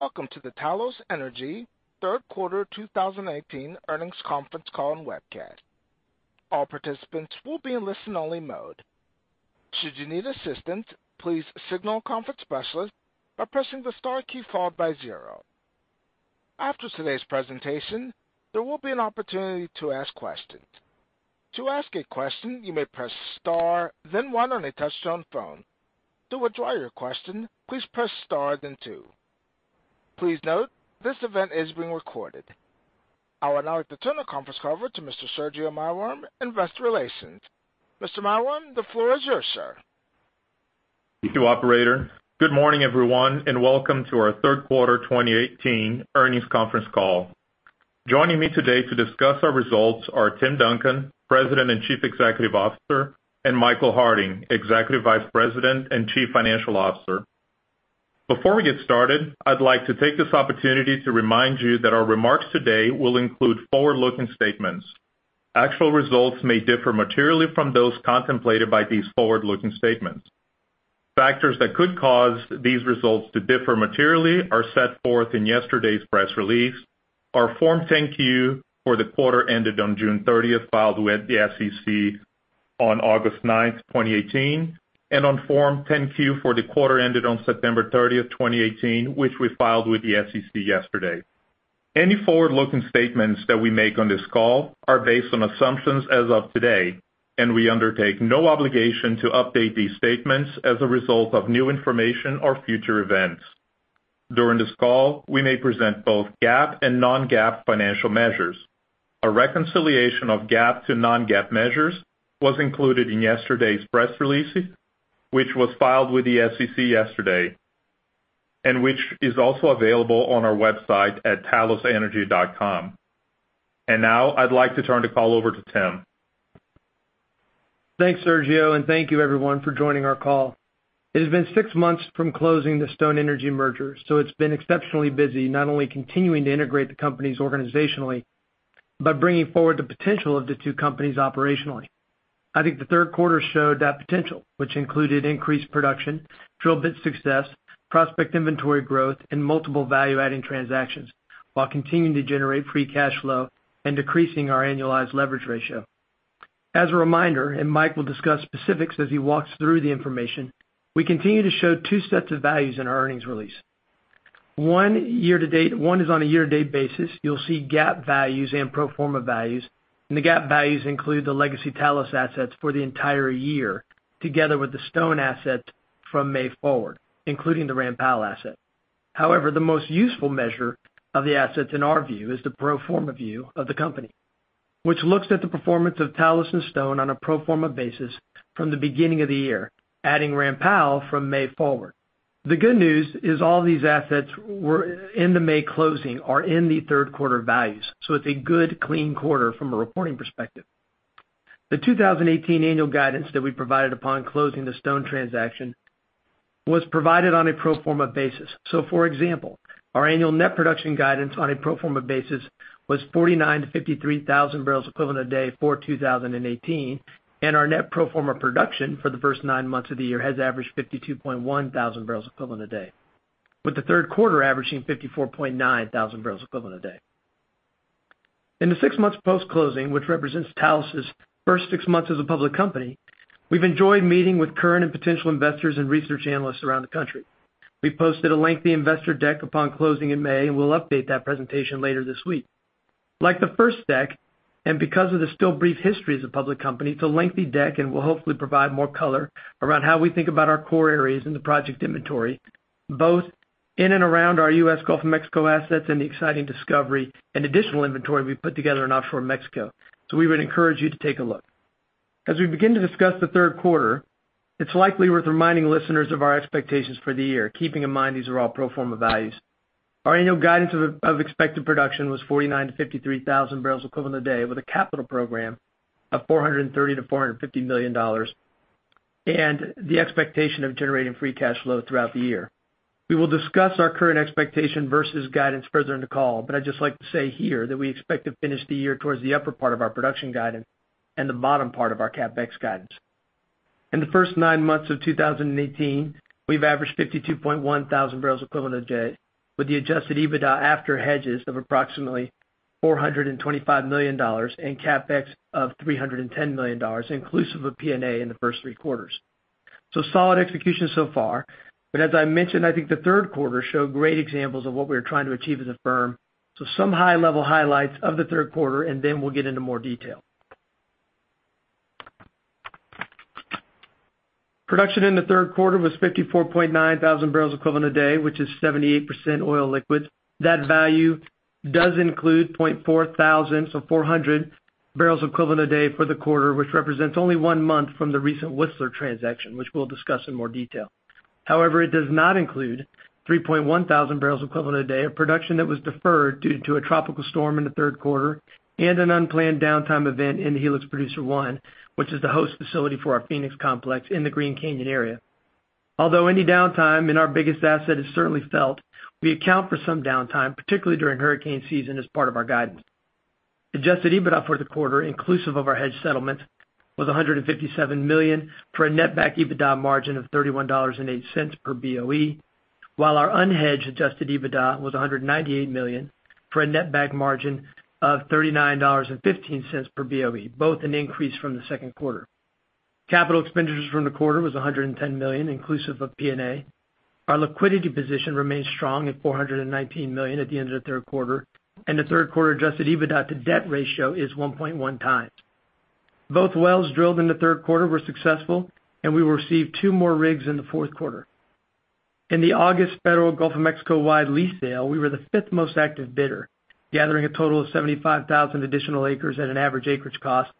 Welcome to the Talos Energy third quarter 2018 earnings conference call and webcast. All participants will be in listen-only mode. Should you need assistance, please signal a conference specialist by pressing the star key followed by zero. After today's presentation, there will be an opportunity to ask questions. To ask a question, you may press star, then one on a touch-tone phone. To withdraw your question, please press star, then two. Please note, this event is being recorded. I would now like to turn the conference over to Mr. Sergio Maiworm, investor relations. Mr. Maiworm, the floor is yours, sir. Thank you, operator. Good morning, everyone, and welcome to our third quarter 2018 earnings conference call. Joining me today to discuss our results are Tim Duncan, President and Chief Executive Officer, and Michael Harding, Executive Vice President and Chief Financial Officer. Before we get started, I'd like to take this opportunity to remind you that our remarks today will include forward-looking statements. Actual results may differ materially from those contemplated by these forward-looking statements. Factors that could cause these results to differ materially are set forth in yesterday's press release, our Form 10-Q for the quarter ended on June 30th, filed with the SEC on August 9th, 2018, and on Form 10-Q for the quarter ended on September 30th, 2018, which we filed with the SEC yesterday. Any forward-looking statements that we make on this call are based on assumptions as of today, and we undertake no obligation to update these statements as a result of new information or future events. During this call, we may present both GAAP and non-GAAP financial measures. A reconciliation of GAAP to non-GAAP measures was included in yesterday's press release, which was filed with the SEC yesterday and which is also available on our website at talosenergy.com. Now I'd like to turn the call over to Tim. Thanks, Sergio, and thank you everyone for joining our call. It has been six months from closing the Stone Energy merger, so it's been exceptionally busy not only continuing to integrate the companies organizationally but bringing forward the potential of the two companies operationally. I think the third quarter showed that potential, which included increased production, drill bit success, prospect inventory growth, and multiple value-adding transactions while continuing to generate free cash flow and decreasing our annualized leverage ratio. As a reminder, and Mike will discuss specifics as he walks through the information, we continue to show two sets of values in our earnings release. One is on a year-to-date basis. You'll see GAAP values and pro forma values, and the GAAP values include the legacy Talos assets for the entire year, together with the Stone asset from May forward, including the Ram Powell asset. The most useful measure of the assets, in our view, is the pro forma view of the company, which looks at the performance of Talos and Stone on a pro forma basis from the beginning of the year, adding Ram Powell from May forward. The good news is all these assets in the May closing are in the third quarter values, so it's a good clean quarter from a reporting perspective. The 2018 annual guidance that we provided upon closing the Stone transaction was provided on a pro forma basis. For example, our annual net production guidance on a pro forma basis was 49 to 53 thousand barrels equivalent a day for 2018, our net pro forma production for the first nine months of the year has averaged 52.1 thousand barrels equivalent a day, with the third quarter averaging 54.9 thousand barrels equivalent a day. In the six months post-closing, which represents Talos's first six months as a public company, we've enjoyed meeting with current and potential investors and research analysts around the country. We posted a lengthy investor deck upon closing in May, we'll update that presentation later this week. Like the first deck, because of the still brief history as a public company, it's a lengthy deck and will hopefully provide more color around how we think about our core areas in the project inventory, both in and around our U.S. Gulf of Mexico assets and the exciting discovery and additional inventory we've put together in offshore Mexico. We would encourage you to take a look. As we begin to discuss the third quarter, it's likely worth reminding listeners of our expectations for the year. Keeping in mind these are all pro forma values. Our annual guidance of expected production was 49 to 53 thousand barrels equivalent a day with a capital program of $430 million-$450 million, the expectation of generating free cash flow throughout the year. We will discuss our current expectation versus guidance further in the call, I'd just like to say here that we expect to finish the year towards the upper part of our production guidance and the bottom part of our CapEx guidance. In the first nine months of 2018, we've averaged 52.1 thousand barrels equivalent a day with the adjusted EBITDA after hedges of approximately $425 million and CapEx of $310 million, inclusive of P&A in the first three quarters. Solid execution so far. As I mentioned, I think the third quarter showed great examples of what we are trying to achieve as a firm. Some high-level highlights of the third quarter, then we'll get into more detail. Production in the third quarter was 54.9 thousand barrels equivalent a day, which is 78% oil liquids. That value does include 0.4 thousand, so 400 barrels equivalent a day for the quarter, which represents only one month from the recent Whistler transaction, which we'll discuss in more detail. However, it does not include 3.1 thousand barrels equivalent a day of production that was deferred due to a tropical storm in the third quarter and an unplanned downtime event in Helix Producer I, which is the host facility for our Phoenix Complex in the Green Canyon area. Although any downtime in our biggest asset is certainly felt, we account for some downtime, particularly during hurricane season, as part of our guidance. Adjusted EBITDA for the quarter inclusive of our hedge settlement was $157 million for a net back EBITDA margin of $31.08 per BOE, while our unhedged adjusted EBITDA was $198 million for a net back margin of $39.15 per BOE, both an increase from the second quarter. Capital expenditures from the quarter was $110 million inclusive of P&A. Our liquidity position remains strong at $419 million at the end of the third quarter, and the third quarter adjusted EBITDA to debt ratio is 1.1 times. Both wells drilled in the third quarter were successful. We will receive two more rigs in the fourth quarter. In the August federal Gulf of Mexico-wide lease sale, we were the fifth most active bidder, gathering a total of 75,000 additional acres at an average acreage cost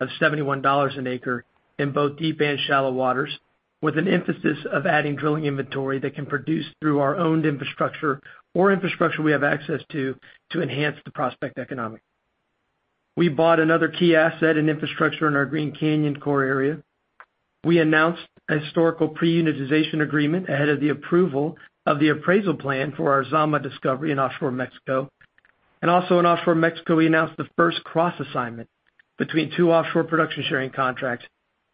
of $71 an acre in both deep and shallow waters, with an emphasis of adding drilling inventory that can produce through our owned infrastructure or infrastructure we have access to enhance the prospect economics. We bought another key asset and infrastructure in our Green Canyon core area. We announced a historical pre-unitization agreement ahead of the approval of the appraisal plan for our Zama discovery in offshore Mexico. Also in offshore Mexico, we announced the first cross-assignment between two offshore production sharing contracts,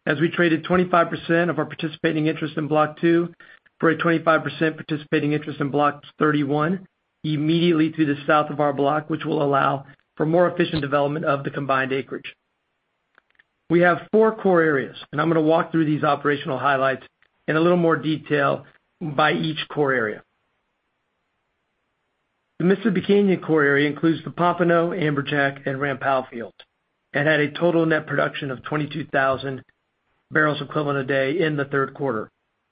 as we traded 25% of our participating interest in Block 2 for a 25% participating interest in Block 31 immediately to the south of our block, which will allow for more efficient development of the combined acreage. We have four core areas. I'm going to walk through these operational highlights in a little more detail by each core area. The Mississippi Canyon core area includes the Pompano, Amberjack, and Ram Powell field and had a total net production of 22,000 barrels equivalent a day in the third quarter.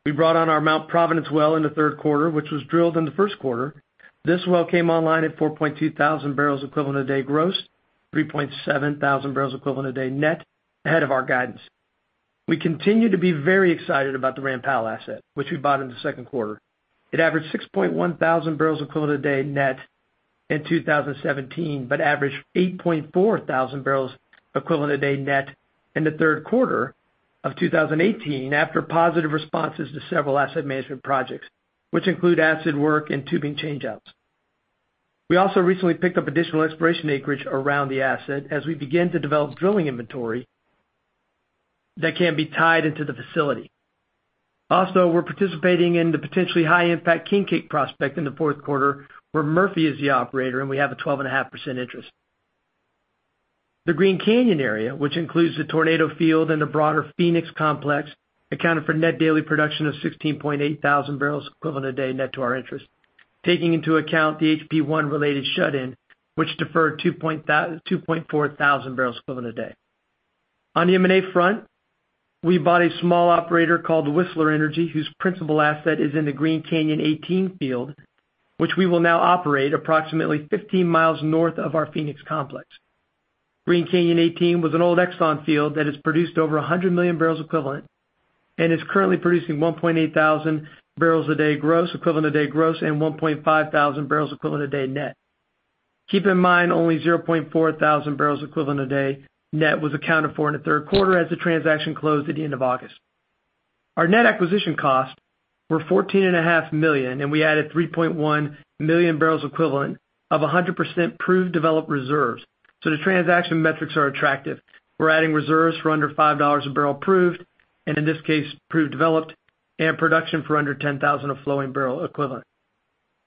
We brought on our Mount Providence well in the third quarter, which was drilled in the first quarter. This well came online at 4,200 barrels equivalent a day gross, 3,700 barrels equivalent a day net, ahead of our guidance. We continue to be very excited about the Ram Powell asset, which we bought in the second quarter. It averaged 6,100 barrels equivalent a day net in 2017, but averaged 8,400 barrels equivalent a day net in the third quarter of 2018 after positive responses to several asset management projects, which include acid work and tubing change outs. We also recently picked up additional exploration acreage around the asset as we begin to develop drilling inventory that can be tied into the facility. We're participating in the potentially high-impact King Cake prospect in the fourth quarter, where Murphy is the operator and we have a 12.5% interest. The Green Canyon area, which includes the Tornado Field and the broader Phoenix Complex, accounted for net daily production of 16,800 barrels equivalent a day net to our interest, taking into account the HP1-related shut-in, which deferred 2,400 barrels equivalent a day. On the M&A front, we bought a small operator called Whistler Energy, whose principal asset is in the Green Canyon 18 field, which we will now operate approximately 15 miles north of our Phoenix Complex. Green Canyon 18 was an old Exxon field that has produced over 100 million barrels equivalent and is currently producing 1,800 barrels a day gross equivalent a day gross and 1,500 barrels equivalent a day net. Keep in mind, only 0.4 thousand barrels equivalent a day net was accounted for in the third quarter as the transaction closed at the end of August. Our net acquisition costs were $14.5 million, and we added 3.1 million barrels equivalent of 100% proved developed reserves. The transaction metrics are attractive. We're adding reserves for under $5 a barrel proved, and in this case, proved developed, and production for under 10,000 of flowing barrel equivalent.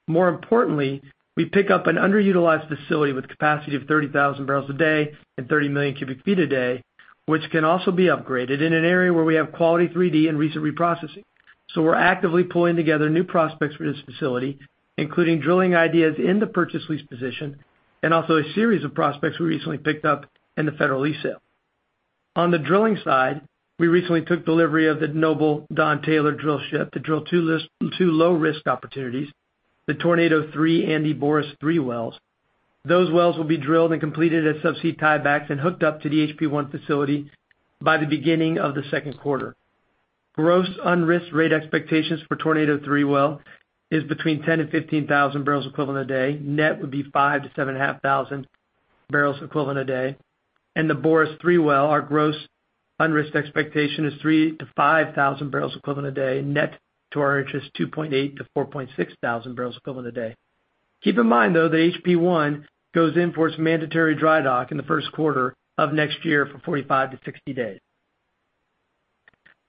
More importantly, we pick up an underutilized facility with capacity of 30,000 barrels a day and 30 million cubic feet a day, which can also be upgraded in an area where we have quality 3D and recent reprocessing. So we're actively pulling together new prospects for this facility, including drilling ideas in the purchase lease position and also a series of prospects we recently picked up in the federal lease sale. On the drilling side, we recently took delivery of the Noble Don Taylor drillship to drill two low-risk opportunities, the Tornado 3 and the Boris 3 wells. Those wells will be drilled and completed as subsea tiebacks and hooked up to the HP1 facility by the beginning of the second quarter. Gross unrisked rate expectations for Tornado 3 well is between 10,000 and 15,000 barrels equivalent a day. Net would be 5,000 to 7,500 barrels equivalent a day. The Boris 3 well, our gross unrisked expectation is 3,000 to 5,000 barrels equivalent a day. Net to our interest, 2.8 to 4.6 thousand barrels equivalent a day. Keep in mind, though, that HP1 goes in for its mandatory dry dock in the first quarter of next year for 45 to 60 days.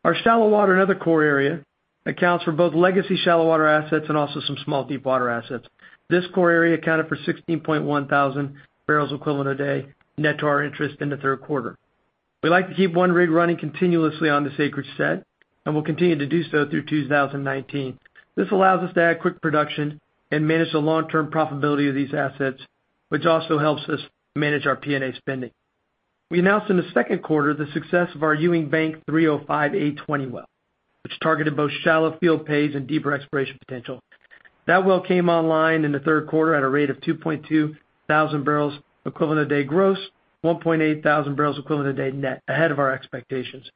Our shallow water, another core area, accounts for both legacy shallow water assets and also some small deep water assets. This core area accounted for 16.1 thousand barrels equivalent a day net to our interest in the third quarter. We like to keep one rig running continuously on this acreage set, and we'll continue to do so through 2019. This allows us to add quick production and manage the long-term profitability of these assets, which also helps us manage our P&A spending. We announced in the second quarter the success of our Ewing Bank 305 A20 well, which targeted both shallow field pays and deeper exploration potential. That well came online in the third quarter at a rate of 2,200 barrels equivalent a day gross, 1,800 barrels equivalent a day net, ahead of our expectations.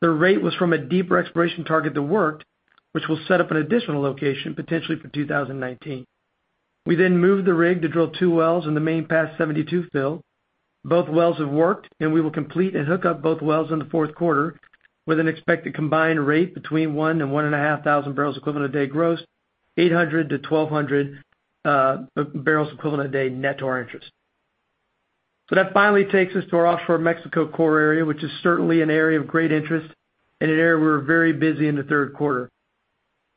The rate was from a deeper exploration target that worked, which will set up an additional location potentially for 2019. We then moved the rig to drill two wells in the Main Pass 72 field. Both wells have worked, and we will complete and hook up both wells in the fourth quarter with an expected combined rate between 1,000 and 1,500 barrels equivalent a day gross, 800 to 1,200 barrels equivalent a day net to our interest. That finally takes us to our Offshore Mexico core area, which is certainly an area of great interest and an area we're very busy in the third quarter.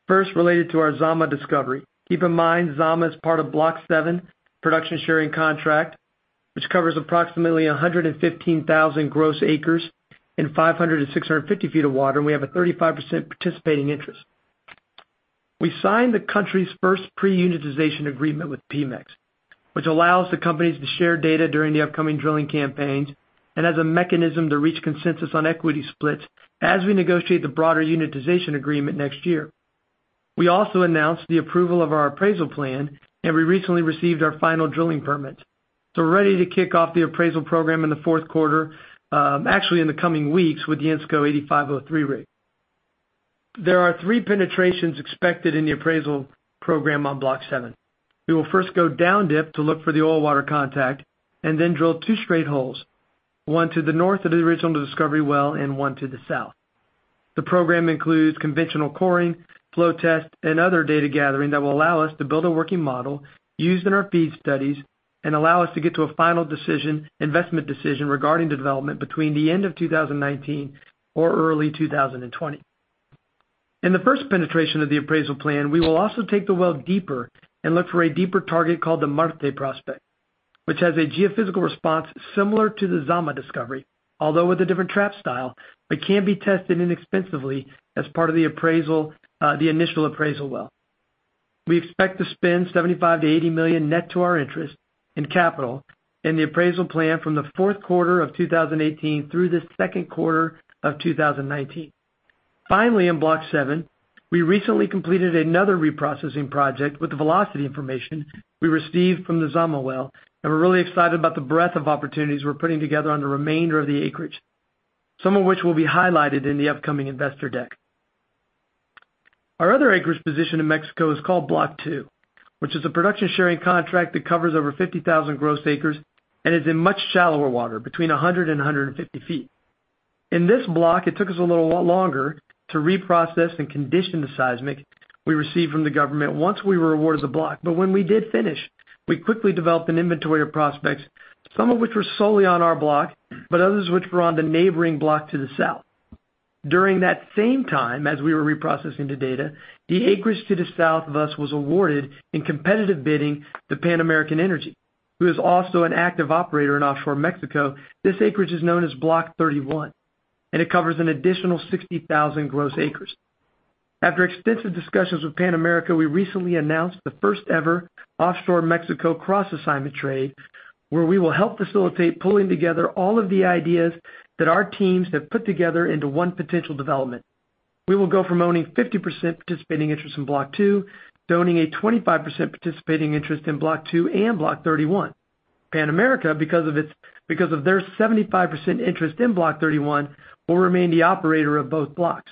First, related to our Zama discovery. Keep in mind, Zama is part of Block 7 production sharing contract, which covers approximately 115,000 gross acres in 500 to 650 feet of water, and we have a 35% participating interest. We signed the country's first pre-unitization agreement with Pemex, which allows the companies to share data during the upcoming drilling campaigns and has a mechanism to reach consensus on equity splits as we negotiate the broader unitization agreement next year. We also announced the approval of our appraisal plan, we recently received our final drilling permit. We're ready to kick off the appraisal program in the fourth quarter, actually in the coming weeks with the Ensco 8503 rig. There are three penetrations expected in the appraisal program on Block 7. We will first go down dip to look for the oil-water contact and then drill two straight holes, one to the north of the original discovery well and one to the south. The program includes conventional coring, flow test, and other data gathering that will allow us to build a working model used in our FEED studies and allow us to get to a final investment decision regarding the development between the end of 2019 or early 2020. In the first penetration of the appraisal plan, we will also take the well deeper and look for a deeper target called the Marte prospect, which has a geophysical response similar to the Zama discovery, although with a different trap style, but can be tested inexpensively as part of the initial appraisal well. We expect to spend $75 million-$80 million net to our interest in capital in the appraisal plan from the fourth quarter of 2018 through the second quarter of 2019. Finally, in Block 7, we recently completed another reprocessing project with the velocity information we received from the Zama well, we're really excited about the breadth of opportunities we're putting together on the remainder of the acreage, some of which will be highlighted in the upcoming investor deck. Our other acreage position in Mexico is called Block 2, which is a production sharing contract that covers over 50,000 gross acres and is in much shallower water, between 100 and 150 feet. In this block, it took us a little longer to reprocess and condition the seismic we received from the government once we were awarded the block. When we did finish, we quickly developed an inventory of prospects, some of which were solely on our block, but others which were on the neighboring block to the south. During that same time, as we were reprocessing the data, the acreage to the south of us was awarded in competitive bidding to Pan American Energy, who is also an active operator in offshore Mexico. This acreage is known as Block 31, and it covers an additional 60,000 gross acres. After extensive discussions with Pan American, we recently announced the first-ever offshore Mexico cross-assignment trade, where we will help facilitate pulling together all of the ideas that our teams have put together into one potential development. We will go from owning 50% participating interest in Block 2 to owning a 25% participating interest in Block 2 and Block 31. Pan American, because of their 75% interest in Block 31, will remain the operator of both blocks.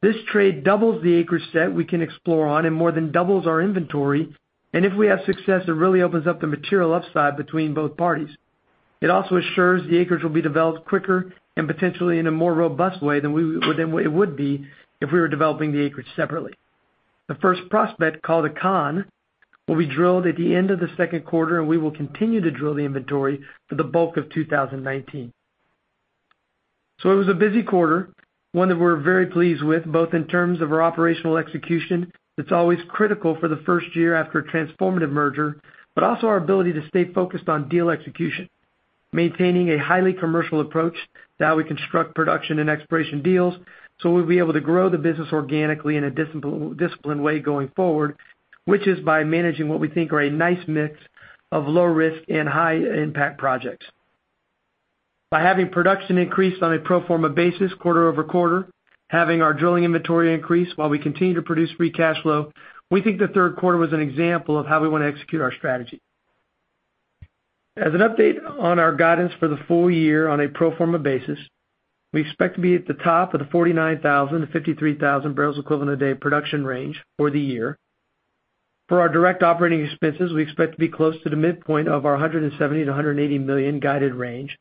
This trade doubles the acreage set we can explore on and more than doubles our inventory. If we have success, it really opens up the material upside between both parties. It also assures the acreage will be developed quicker and potentially in a more robust way than it would be if we were developing the acreage separately. The first prospect, called Akán, will be drilled at the end of the second quarter, and we will continue to drill the inventory for the bulk of 2019. It was a busy quarter, one that we're very pleased with, both in terms of our operational execution, that's always critical for the first year after a transformative merger. Also our ability to stay focused on deal execution, maintaining a highly commercial approach to how we construct production and exploration deals, so we'll be able to grow the business organically in a disciplined way going forward, which is by managing what we think are a nice mix of low risk and high impact projects. By having production increase on a pro forma basis quarter-over-quarter, having our drilling inventory increase while we continue to produce free cash flow, we think the third quarter was an example of how we want to execute our strategy. As an update on our guidance for the full year on a pro forma basis, we expect to be at the top of the 49,000-53,000 barrels equivalent a day production range for the year. For our direct operating expenses, we expect to be close to the midpoint of our $170 million-$180 million guided range.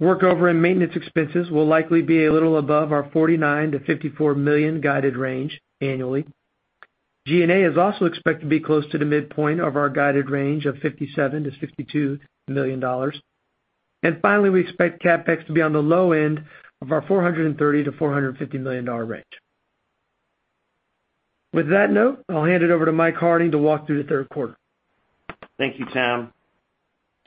Workover and maintenance expenses will likely be a little above our $49 million-$54 million guided range annually. G&A is also expected to be close to the midpoint of our guided range of $52 million-$57 million. Finally, we expect CapEx to be on the low end of our $430 million-$450 million range. With that note, I'll hand it over to Mike Harding to walk through the third quarter. Thank you, Tim.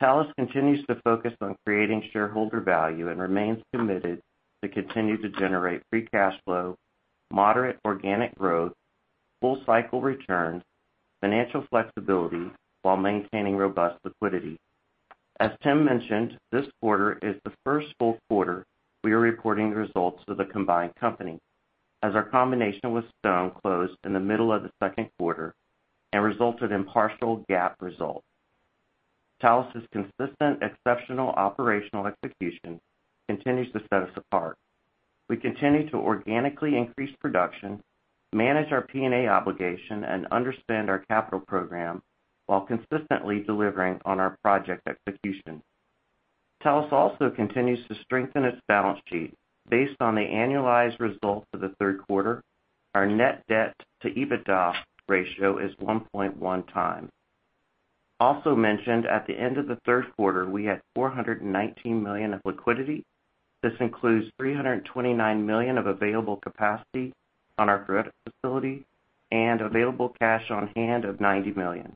Talos continues to focus on creating shareholder value and remains committed to continue to generate free cash flow, moderate organic growth, full cycle returns, financial flexibility while maintaining robust liquidity. As Tim mentioned, this quarter is the first full quarter we are reporting results of the combined company, as our combination with Stone Energy Corporation closed in the middle of the second quarter and resulted in partial GAAP results. Talos' consistent exceptional operational execution continues to set us apart. We continue to organically increase production, manage our P&A obligation, and understand our capital program while consistently delivering on our project execution. Talos also continues to strengthen its balance sheet. Based on the annualized results of the third quarter, our net debt to EBITDA ratio is 1.1 times. Also mentioned at the end of the third quarter, we had $419 million of liquidity. This includes $329 million of available capacity on our credit facility and available cash on hand of $90 million.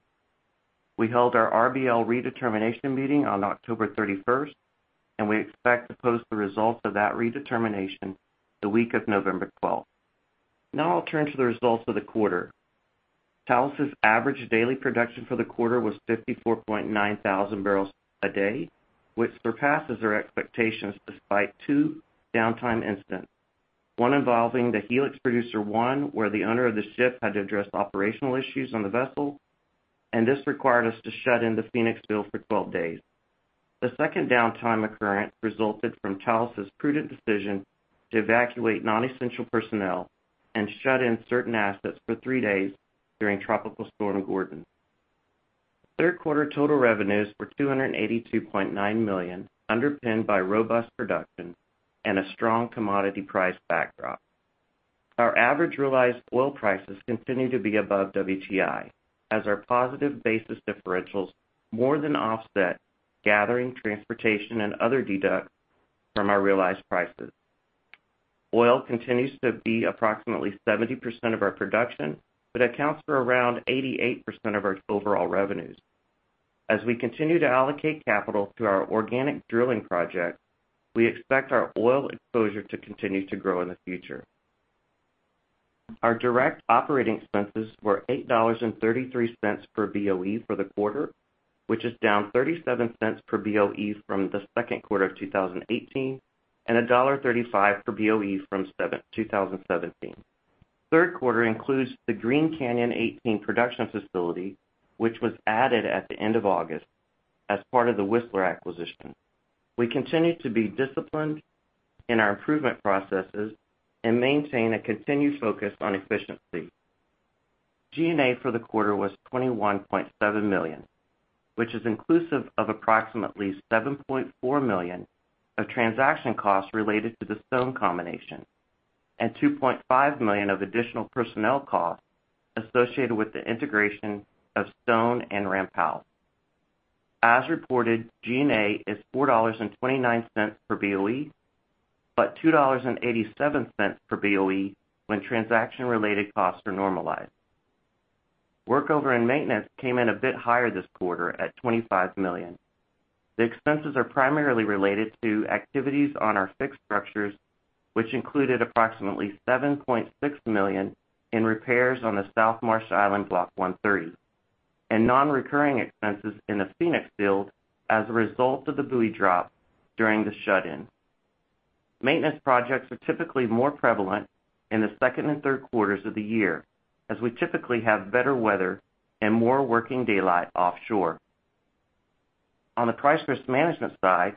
We held our RBL redetermination meeting on October 31st, we expect to post the results of that redetermination the week of November 12th. I'll turn to the results of the quarter. Talos' average daily production for the quarter was 54,900 barrels a day, which surpasses our expectations despite two downtime incidents, one involving the Helix Producer I, where the owner of the ship had to address operational issues on the vessel, this required us to shut in the Phoenix Field for 12 days. The second downtime occurrence resulted from Talos' prudent decision to evacuate non-essential personnel and shut in certain assets for three days during Tropical Storm Gordon. Third quarter total revenues were $282.9 million, underpinned by robust production and a strong commodity price backdrop. Our average realized oil prices continue to be above WTI, as our positive basis differentials more than offset gathering, transportation, and other deduct from our realized prices. Oil continues to be approximately 70% of our production, accounts for around 88% of our overall revenues. As we continue to allocate capital to our organic drilling project, we expect our oil exposure to continue to grow in the future. Our direct operating expenses were $8.33 per BOE for the quarter, which is down $0.37 per BOE from the second quarter of 2018, $1.35 per BOE from 2017. Third quarter includes the Green Canyon 18 production facility, which was added at the end of August as part of the Whistler Energy II LLC acquisition. We continue to be disciplined in our improvement processes and maintain a continued focus on efficiency. G&A for the quarter was $21.7 million, which is inclusive of approximately $7.4 million of transaction costs related to the Stone Energy Corporation combination and $2.5 million of additional personnel costs associated with the integration of Stone Energy Corporation and Ram Powell. As reported, G&A is $4.29 per BOE, $2.87 per BOE when transaction-related costs are normalized. Workover and maintenance came in a bit higher this quarter at $25 million. The expenses are primarily related to activities on our fixed structures, which included approximately $7.6 million in repairs on the South Marsh Island Block 130, non-recurring expenses in the Phoenix Field as a result of the buoy drop during the shut-in. Maintenance projects are typically more prevalent in the second and third quarters of the year, as we typically have better weather and more working daylight offshore. On the price risk management side,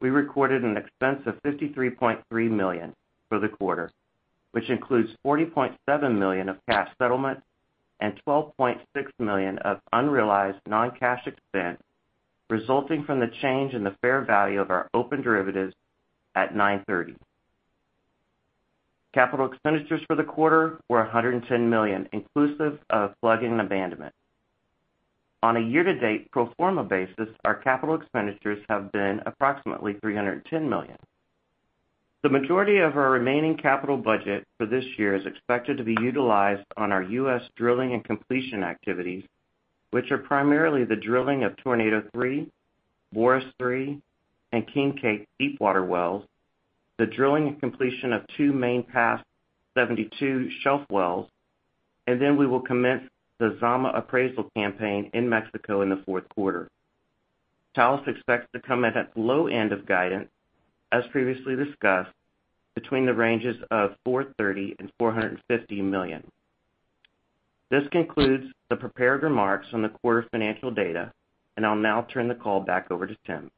we recorded an expense of $53.3 million for the quarter, which includes $40.7 million of cash settlement and $12.6 million of unrealized non-cash expense resulting from the change in the fair value of our open derivatives at 9/30. Capital expenditures for the quarter were $110 million, inclusive of plug and abandonment. On a year-to-date pro forma basis, our capital expenditures have been approximately $310 million. The majority of our remaining capital budget for this year is expected to be utilized on our U.S. drilling and completion activities, which are primarily the drilling of Tornado 3, Boris 3, and King Cake deepwater wells, the drilling and completion of two Main Pass 72 shelf wells, then we will commence the Zama appraisal campaign in Mexico in the fourth quarter. Talos expects to come in at the low end of guidance, as previously discussed, between the ranges of $430 and $450 million. This concludes the prepared remarks on the quarter financial data. I'll now turn the call back over to Tim.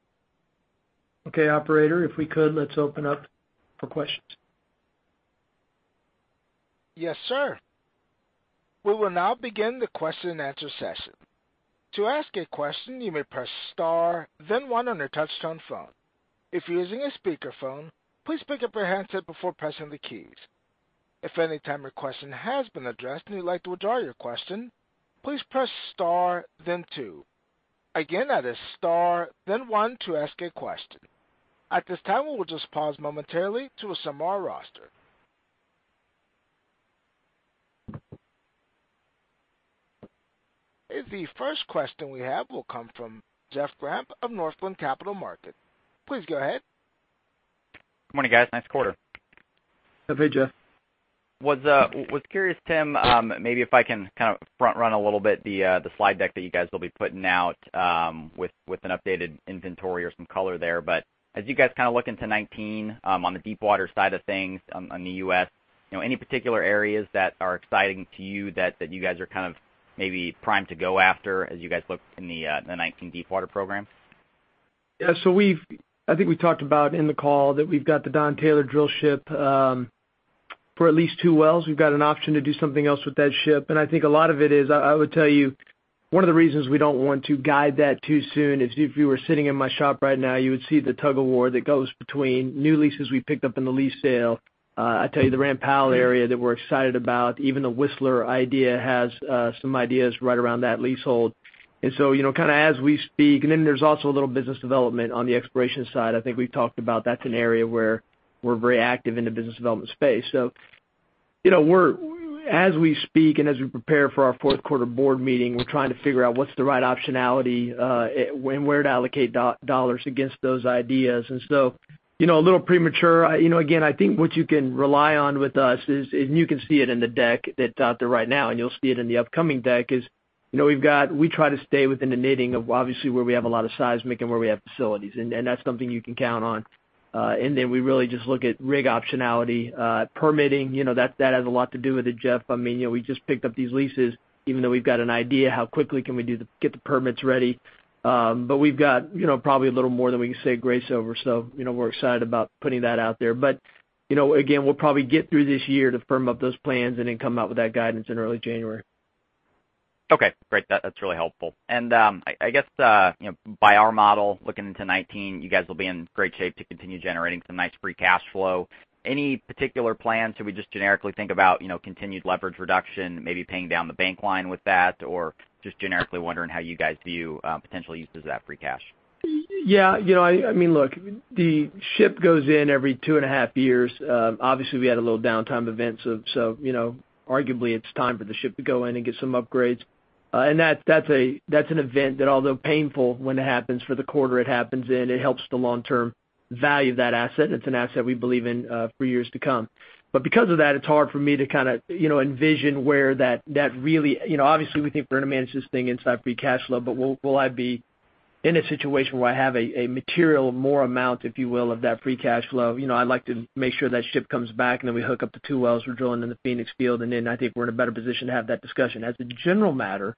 Okay, operator, if we could, let's open up for questions. Yes, sir. We will now begin the question and answer session. To ask a question, you may press star then one on your touchtone phone. If you're using a speakerphone, please pick up your handset before pressing the keys. If at any time your question has been addressed and you'd like to withdraw your question, please press star then two. Again, that is star then one to ask a question. At this time, we will just pause momentarily to assemble our roster. The first question we have will come from Jeff Grampp of Northland Capital Markets. Please go ahead. Good morning, guys. Nice quarter. Hey, Jeff. Was curious, Tim, maybe if I can kind of front run a little bit the slide deck that you guys will be putting out with an updated inventory or some color there. As you guys look into 2019 on the deepwater side of things on the U.S., any particular areas that are exciting to you that you guys are maybe primed to go after as you guys look in the 2019 deepwater program? Yeah. I think we talked about in the call that we've got the Don Taylor drill ship For at least two wells. We've got an option to do something else with that ship, and I think a lot of it is, I would tell you, one of the reasons we don't want to guide that too soon is if you were sitting in my shop right now, you would see the tug-of-war that goes between new leases we picked up in the lease sale. I tell you, the Ram Powell area that we're excited about, even the Whistler idea has some ideas right around that leasehold. As we speak, there's also a little business development on the exploration side. I think we've talked about that's an area where we're very active in the business development space. As we speak and as we prepare for our fourth quarter board meeting, we're trying to figure out what's the right optionality, and where to allocate dollars against those ideas. A little premature. Again, I think what you can rely on with us is, you can see it in the deck that's out there right now, and you'll see it in the upcoming deck, is we try to stay within the knitting of obviously where we have a lot of seismic and where we have facilities. That's something you can count on. We really just look at rig optionality. Permitting, that has a lot to do with it, Jeff. We just picked up these leases, even though we've got an idea how quickly can we get the permits ready. We've got probably a little more than we can say grace over. We're excited about putting that out there. Again, we'll probably get through this year to firm up those plans and then come out with that guidance in early January. Okay, great. That's really helpful. I guess, by our model, looking into 2019, you guys will be in great shape to continue generating some nice free cash flow. Any particular plans? Should we just generically think about continued leverage reduction, maybe paying down the bank line with that, or just generically wondering how you guys view potential uses of that free cash. Look, the ship goes in every two and a half years. Obviously, we had a little downtime event, so arguably it's time for the ship to go in and get some upgrades. That's an event that, although painful when it happens for the quarter it happens in, it helps the long-term value of that asset, and it's an asset we believe in for years to come. Because of that, it's hard for me to envision where that obviously, we think we're going to manage this thing inside free cash flow, but will I be in a situation where I have a material more amount, if you will, of that free cash flow? I'd like to make sure that ship comes back and then we hook up the two wells we're drilling in the Phoenix Field, and then I think we're in a better position to have that discussion. As a general matter,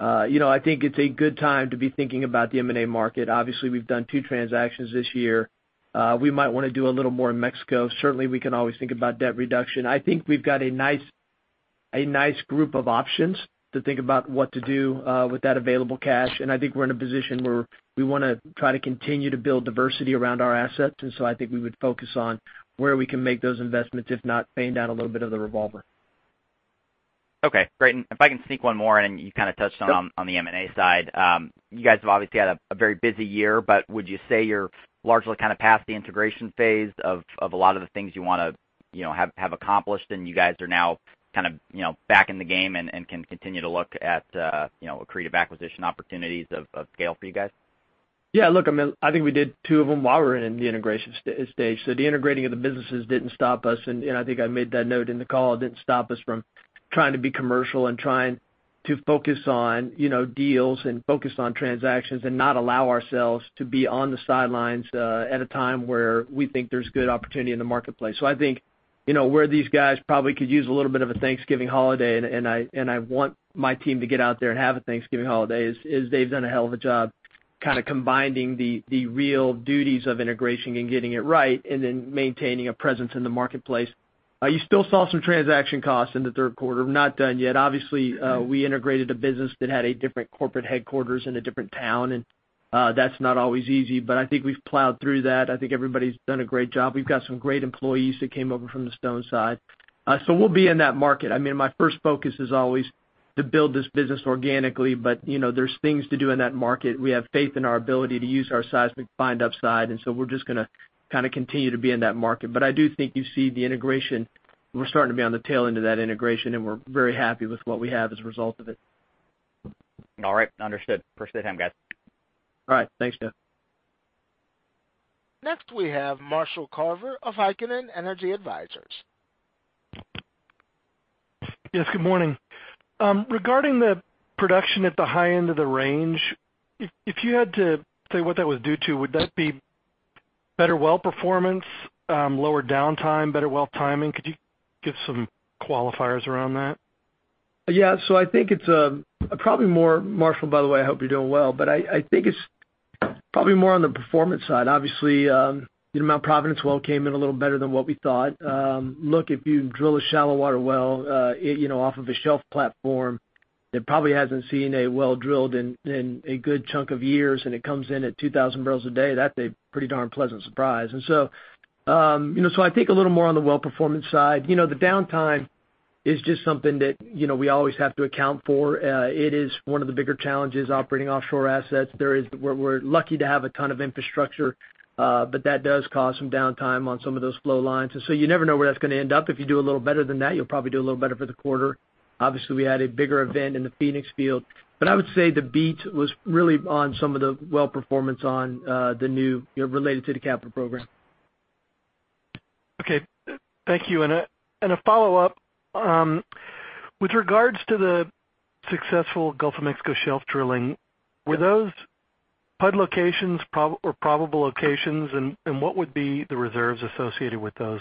I think it's a good time to be thinking about the M&A market. Obviously, we've done two transactions this year. We might want to do a little more in Mexico. Certainly, we can always think about debt reduction. I think we've got a nice group of options to think about what to do with that available cash, and I think we're in a position where we want to try to continue to build diversity around our assets. I think we would focus on where we can make those investments, if not paying down a little bit of the revolver. Okay, great. If I can sneak one more in, and you kind of touched on the M&A side. You guys have obviously had a very busy year, would you say you're largely past the integration phase of a lot of the things you want to have accomplished, and you guys are now back in the game and can continue to look at creative acquisition opportunities of scale for you guys? Yeah, look, I think we did two of them while we were in the integration stage. The integrating of the businesses didn't stop us, and I think I made that note in the call. It didn't stop us from trying to be commercial and trying to focus on deals and focus on transactions and not allow ourselves to be on the sidelines at a time where we think there's good opportunity in the marketplace. I think, where these guys probably could use a little bit of a Thanksgiving holiday, and I want my team to get out there and have a Thanksgiving holiday, is they've done a hell of a job combining the real duties of integration and getting it right and then maintaining a presence in the marketplace. You still saw some transaction costs in the third quarter. We're not done yet. We integrated a business that had a different corporate headquarters in a different town, that's not always easy. I think we've plowed through that. I think everybody's done a great job. We've got some great employees that came over from the Stone side. We'll be in that market. My first focus is always to build this business organically, there's things to do in that market. We have faith in our ability to use our seismic find upside, we're just going to continue to be in that market. I do think you see the integration. We're starting to be on the tail end of that integration, we're very happy with what we have as a result of it. All right. Understood. Appreciate the time, guys. All right. Thanks, Jeff. Next, we have Marshall Carver of Heikkinen Energy Advisors. Yes. Good morning. Regarding the production at the high end of the range, if you had to say what that was due to, would that be better well performance, lower downtime, better well timing? Could you give some qualifiers around that? Yeah. I think it's probably more Marshall, by the way, I hope you're doing well, but I think it's probably more on the performance side. Obviously, Mount Providence well came in a little better than what we thought. Look, if you drill a shallow water well off of a shelf platform that probably hasn't seen a well drilled in a good chunk of years, and it comes in at 2,000 barrels a day, that's a pretty darn pleasant surprise. I think a little more on the well performance side. The downtime is just something that we always have to account for. It is one of the bigger challenges operating offshore assets. We're lucky to have a ton of infrastructure, but that does cause some downtime on some of those flow lines. You never know where that's going to end up. If you do a little better than that, you'll probably do a little better for the quarter. Obviously, we had a bigger event in the Phoenix Field, but I would say the beat was really on some of the well performance on the new, related to the capital program. Okay. Thank you. A follow-up. With regards to the successful Gulf of Mexico shelf drilling, were those PUD locations or probable locations, and what would be the reserves associated with those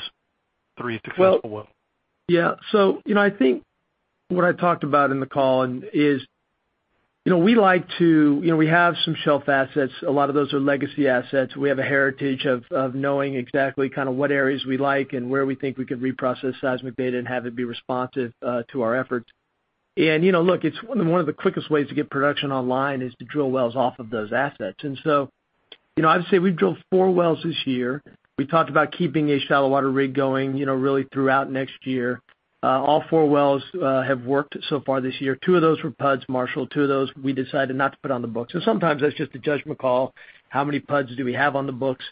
three successful wells? Yeah. I think what I talked about in the call is. We like to, we have some shelf assets. A lot of those are legacy assets. We have a heritage of knowing exactly what areas we like and where we think we could reprocess seismic data and have it be responsive to our efforts. Look, it's one of the quickest ways to get production online is to drill wells off of those assets. I would say we've drilled four wells this year. We talked about keeping a shallow water rig going really throughout next year. All four wells have worked so far this year. Two of those were pads, Marshall. Two of those, we decided not to put on the books. Sometimes that's just a judgment call. How many pads do we have on the books?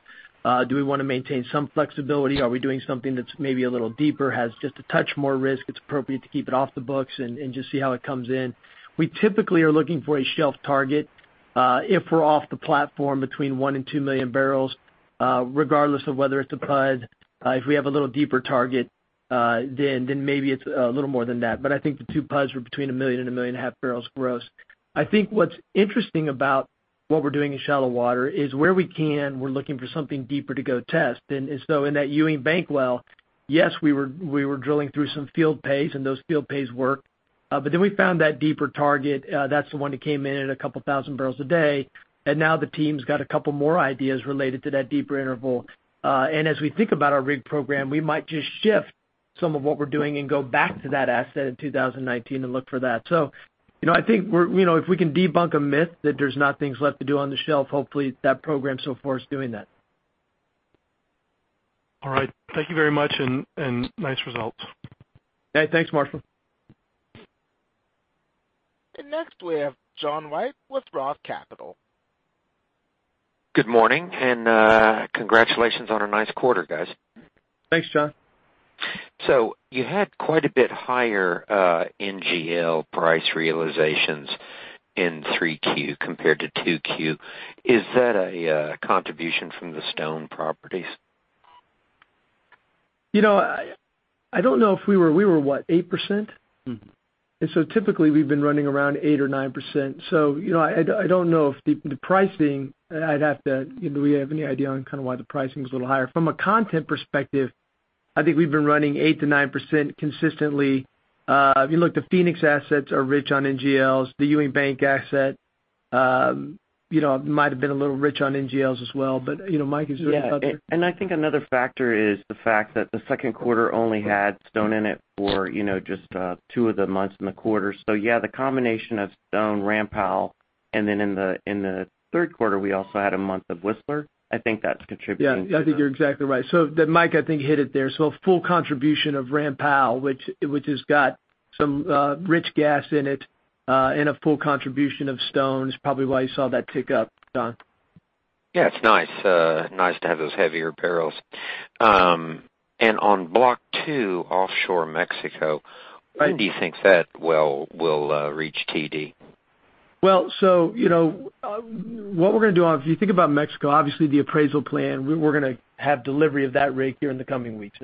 Do we want to maintain some flexibility? Are we doing something that's maybe a little deeper, has just a touch more risk, it's appropriate to keep it off the books and just see how it comes in. We typically are looking for a shelf target. If we're off the platform between one and two million barrels, regardless of whether it's a pad, if we have a little deeper target, then maybe it's a little more than that. I think the two pads were between 1 million and 1.5 million barrels gross. I think what's interesting about what we're doing in shallow water is where we can, we're looking for something deeper to go test. In that Ewing Bank well, yes, we were drilling through some field pays, and those field pays work. We found that deeper target. That's the one that came in at a couple of thousand barrels a day, and now the team's got a couple more ideas related to that deeper interval. As we think about our rig program, we might just shift some of what we're doing and go back to that asset in 2019 and look for that. I think if we can debunk a myth that there's nothing left to do on the shelf, hopefully that program so far is doing that. All right. Thank you very much and nice results. Hey, thanks, Marshall. Next we have John Wright with Roth Capital. Good morning, congratulations on a nice quarter, guys. Thanks, John. You had quite a bit higher NGL price realizations in three Q compared to two Q. Is that a contribution from the Stone properties? I don't know if we were what? eight%? Typically we've been running around eight or nine%. I don't know if the pricing, I'd have to do we have any idea on why the pricing was a little higher? From a content perspective, I think we've been running eight to nine% consistently. If you look, the Phoenix assets are rich on NGLs. The Ewing Bank asset might have been a little rich on NGLs as well. Mike is right up there. Yeah. I think another factor is the fact that the second quarter only had Stone in it for just two of the months in the quarter. Yeah, the combination of Stone, Ram Powell, and then in the third quarter, we also had a month of Whistler. I think that's contributing to the- Yeah, I think you're exactly right. Mike, I think, hit it there. A full contribution of Ram Powell, which has got some rich gas in it, and a full contribution of Stone is probably why you saw that tick up, John. Yeah, it's nice to have those heavier barrels. On Block 2 offshore Mexico, when do you think that well will reach TD? What we're going to do, if you think about Mexico, obviously the appraisal plan, we're going to have delivery of that rig here in the coming weeks.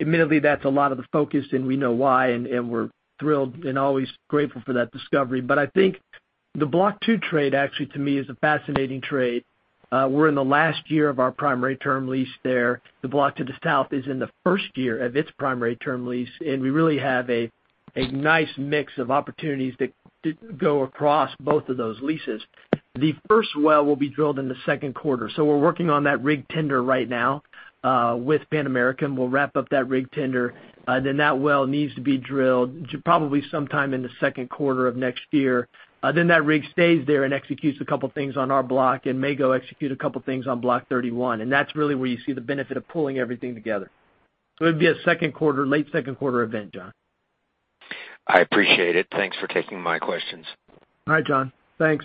Admittedly, that's a lot of the focus, and we know why, and we're thrilled and always grateful for that discovery. I think the Block 2 trade actually to me is a fascinating trade. We're in the last year of our primary term lease there. The block to the south is in the first year of its primary term lease, and we really have a nice mix of opportunities that go across both of those leases. The first well will be drilled in the second quarter. We're working on that rig tender right now, with Pan American. We'll wrap up that rig tender, then that well needs to be drilled probably sometime in the second quarter of next year. That rig stays there and executes a couple of things on our block and may go execute a couple of things on Block 31. That's really where you see the benefit of pulling everything together. It'd be a late second quarter event, John. I appreciate it. Thanks for taking my questions. All right, John. Thanks.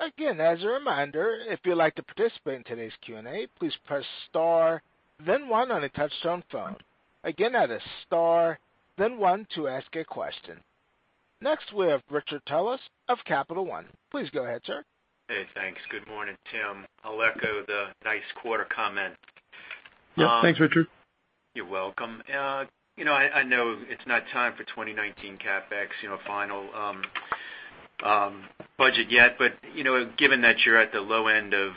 Again, as a reminder, if you'd like to participate in today's Q&A, please press star then one on a touch-tone phone. Again, that is star then one to ask a question. Next, we have Richard Tullis of Capital One. Please go ahead, sir. Hey, thanks. Good morning, Tim. I'll echo the nice quarter comment. Yeah. Thanks, Richard. You're welcome. I know it's not time for 2019 CapEx, final budget yet. Given that you're at the low end of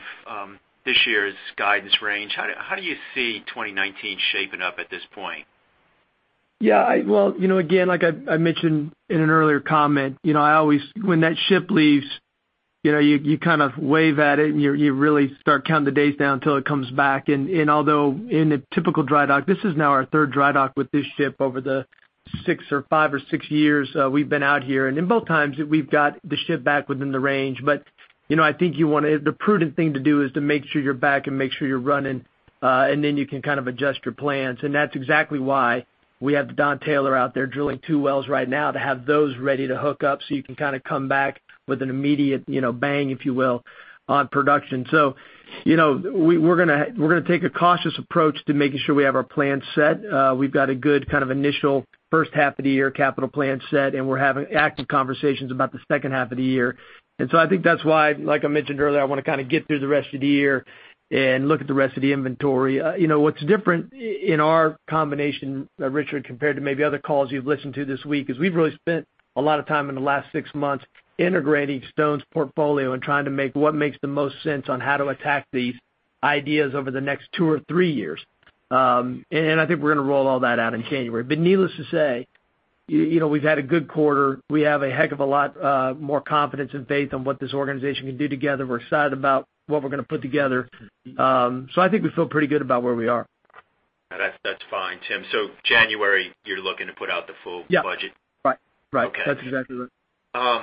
this year's guidance range, how do you see 2019 shaping up at this point? Yeah. Well, again, like I mentioned in an earlier comment, when that ship leaves, you kind of wave at it, you really start counting the days down until it comes back. Although in a typical dry dock, this is now our third dry dock with this ship over the five or six years we've been out here. In both times, we've got the ship back within the range. I think the prudent thing to do is to make sure you're back and make sure you're running, then you can adjust your plans. That's exactly why we have Don Taylor out there drilling two wells right now to have those ready to hook up so you can come back with an immediate bang, if you will, on production. We're going to take a cautious approach to making sure we have our plan set. We've got a good initial first half of the year capital plan set, and we're having active conversations about the second half of the year. I think that's why, like I mentioned earlier, I want to get through the rest of the year and look at the rest of the inventory. What's different in our combination, Richard, compared to maybe other calls you've listened to this week, is we've really spent a lot of time in the last six months integrating Stone's portfolio and trying to make what makes the most sense on how to attack these ideas over the next two or three years. I think we're going to roll all that out in January. Needless to say, we've had a good quarter. We have a heck of a lot more confidence and faith in what this organization can do together. We're excited about what we're going to put together. I think we feel pretty good about where we are. That's fine, Tim. January, you're looking to put out the full budget? Yeah. Right. Okay. That's exactly right.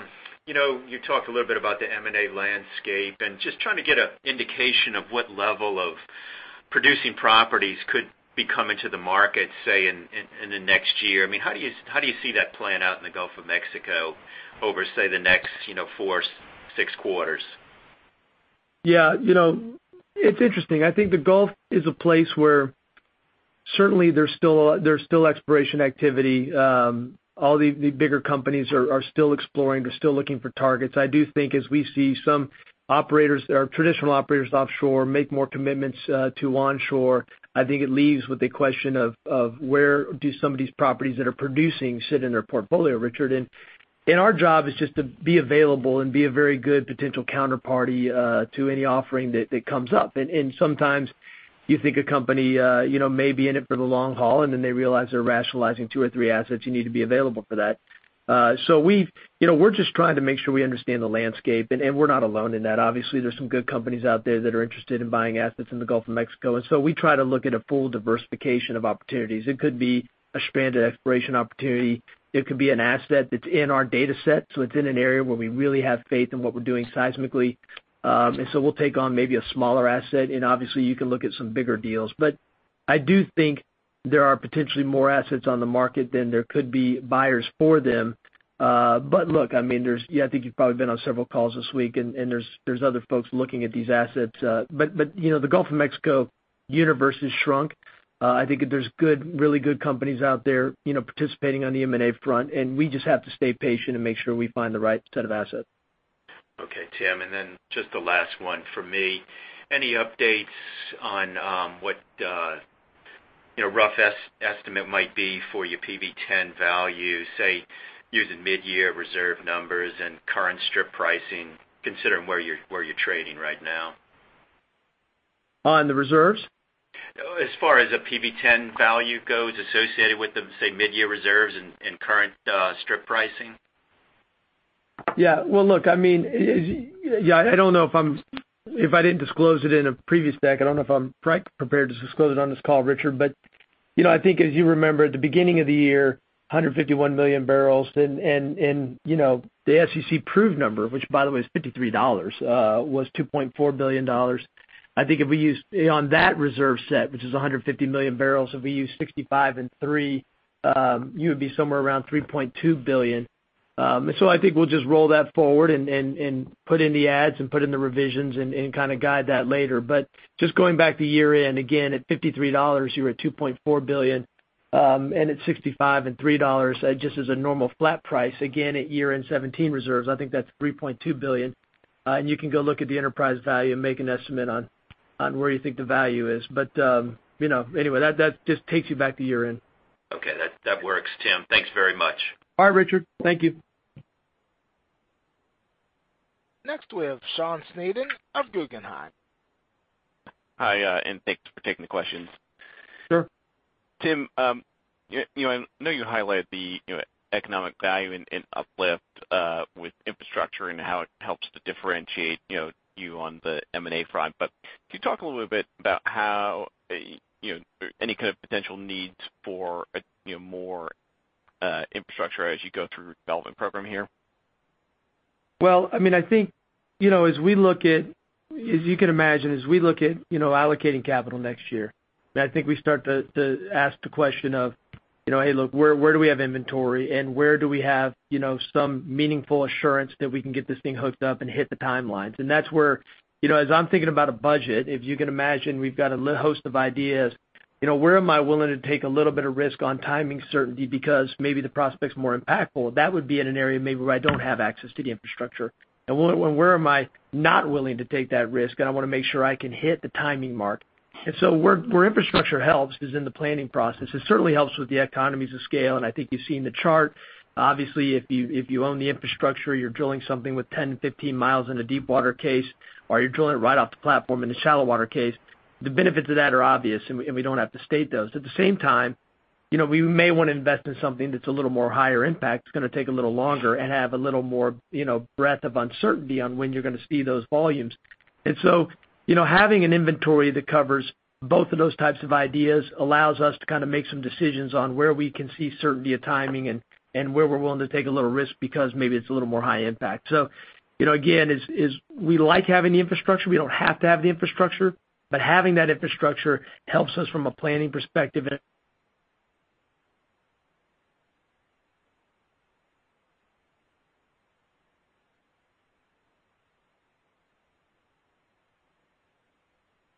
You talked a little bit about the M&A landscape, and just trying to get an indication of what level of producing properties could be coming to the market, say, in the next year. How do you see that playing out in the Gulf of Mexico over, say, the next four, six quarters? Yeah. It's interesting. I think the Gulf is a place where certainly there's still exploration activity. All the bigger companies are still exploring. They're still looking for targets. I do think as we see some traditional operators offshore make more commitments to onshore, I think it leaves with a question of where do some of these properties that are producing sit in their portfolio, Richard. Our job is just to be available and be a very good potential counterparty to any offering that comes up. Sometimes you think a company may be in it for the long haul, then they realize they're rationalizing two or three assets, you need to be available for that. We're just trying to make sure we understand the landscape, and we're not alone in that. Obviously, there's some good companies out there that are interested in buying assets in the Gulf of Mexico, and so we try to look at a full diversification of opportunities. It could be a stranded exploration opportunity. It could be an asset that's in our data set, so it's in an area where we really have faith in what we're doing seismically. We'll take on maybe a smaller asset, and obviously, you can look at some bigger deals. I do think there are potentially more assets on the market than there could be buyers for them. Look, I think you've probably been on several calls this week, and there's other folks looking at these assets. The Gulf of Mexico universe has shrunk. I think that there's really good companies out there participating on the M&A front, and we just have to stay patient and make sure we find the right set of assets. Okay, Tim, just the last one from me. Any updates on what rough estimate might be for your PV10 value, say, using mid-year reserve numbers and current strip pricing, considering where you're trading right now? On the reserves? As far as a PV10 value goes associated with the, say, mid-year reserves and current strip pricing. Yeah. Well, look, I don't know if I didn't disclose it in a previous deck. I don't know if I'm prepared to disclose it on this call, Richard. I think as you remember, at the beginning of the year, 151 million barrels, the SEC proved number, which by the way is $53, was $2.4 billion. I think on that reserve set, which is 150 million barrels, if we use $65 and $3, you would be somewhere around $3.2 billion. I think we'll just roll that forward and put in the ads and put in the revisions and kind of guide that later. Just going back to year-end, again, at $53, you were at $2.4 billion, and at $65 and $3, just as a normal flat price, again, at year-end 2017 reserves, I think that's $3.2 billion. You can go look at the enterprise value and make an estimate on where you think the value is. Anyway, that just takes you back to year-end. Okay. That works, Tim. Thanks very much. All right, Richard. Thank you. Next, we have Sean Snedden of Guggenheim. Hi, thanks for taking the questions. Sure. Tim, I know you highlighted the economic value in uplift with infrastructure and how it helps to differentiate you on the M&A front. Could you talk a little bit about any kind of potential needs for more infrastructure as you go through your development program here? Well, as you can imagine, as we look at allocating capital next year, I think we start to ask the question of, "Hey, look, where do we have inventory, and where do we have some meaningful assurance that we can get this thing hooked up and hit the timelines?" That's where, as I'm thinking about a budget, if you can imagine, we've got a host of ideas. Where am I willing to take a little bit of risk on timing certainty because maybe the prospect's more impactful? That would be in an area maybe where I don't have access to the infrastructure. Where am I not willing to take that risk, and I want to make sure I can hit the timing mark? Where infrastructure helps is in the planning process. It certainly helps with the economies of scale. I think you've seen the chart. Obviously, if you own the infrastructure, you're drilling something with 10-15 miles in a deep water case, or you're drilling it right off the platform in a shallow water case. The benefits of that are obvious. We don't have to state those. At the same time, we may want to invest in something that's a little more higher impact. It's going to take a little longer and have a little more breadth of uncertainty on when you're going to see those volumes. Having an inventory that covers both of those types of ideas allows us to make some decisions on where we can see certainty of timing and where we're willing to take a little risk because maybe it's a little more high impact. Again, we like having the infrastructure. We don't have to have the infrastructure, having that infrastructure helps us from a planning perspective.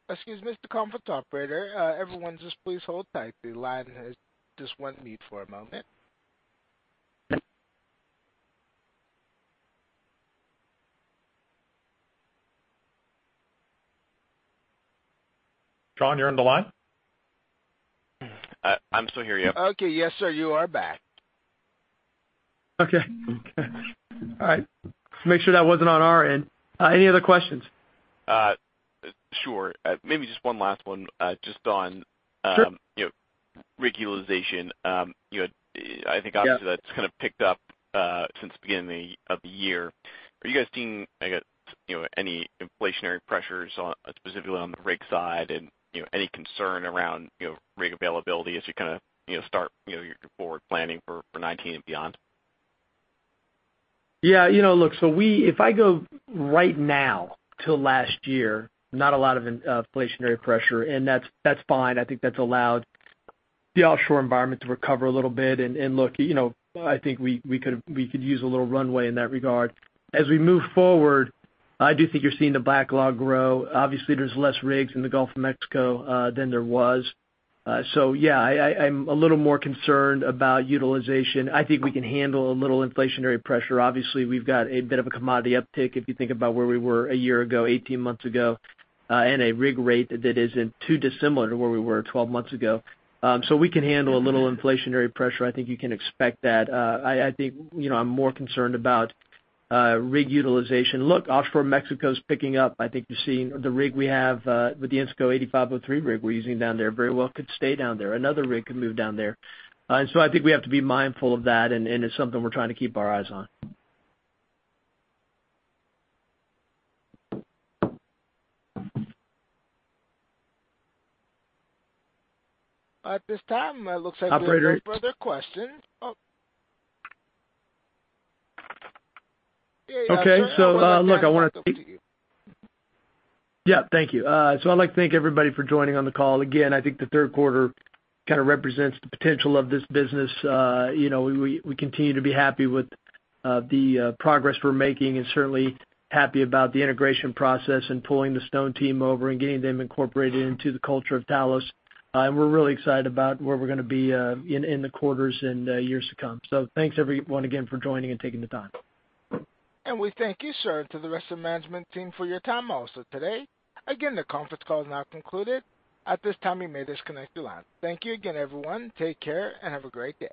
Excuse me, it's the conference operator. Everyone, just please hold tight. The line has just went mute for a moment. Sean, you're on the line? I'm still here. Yep. Okay. Yes, sir. You are back Okay. All right. Just make sure that wasn't on our end. Any other questions? Sure. Maybe just one last one just on- Sure rig utilization. I think obviously that's kind of picked up since the beginning of the year. Are you guys seeing any inflationary pressures specifically on the rig side, and any concern around rig availability as you start your forward planning for 2019 and beyond? Yeah. Look, if I go right now till last year, not a lot of inflationary pressure, and that's fine. I think that's allowed the offshore environment to recover a little bit, and look, I think we could use a little runway in that regard. As we move forward, I do think you're seeing the backlog grow. Obviously, there's less rigs in the Gulf of Mexico than there was. Yeah, I'm a little more concerned about utilization. I think we can handle a little inflationary pressure. Obviously, we've got a bit of a commodity uptick if you think about where we were a year ago, 18 months ago, and a rig rate that isn't too dissimilar to where we were 12 months ago. We can handle a little inflationary pressure. I think you can expect that. I think I'm more concerned about rig utilization. Look, offshore Mexico's picking up. I think you're seeing the rig we have with the Ensco 8503 rig we're using down there very well could stay down there. Another rig could move down there. I think we have to be mindful of that, and it's something we're trying to keep our eyes on. At this time, it looks like there are no further questions. Oh. Yeah, yeah. Okay. Thank you. Thank you. I'd like to thank everybody for joining on the call. Again, I think the third quarter kind of represents the potential of this business. We continue to be happy with the progress we're making and certainly happy about the integration process and pulling the Stone team over and getting them incorporated into the culture of Talos. We're really excited about where we're gonna be in the quarters and years to come. Thanks everyone again for joining and taking the time. We thank you, sir, to the rest of the management team for your time also today. Again, the conference call is now concluded. At this time, you may disconnect your line. Thank you again, everyone. Take care, and have a great day.